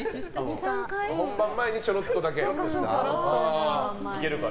本番前にちょっとだけ。